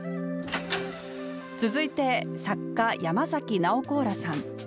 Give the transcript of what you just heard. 続いて、作家・山崎ナオコーラさん。